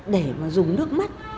để mà dùng nước mắt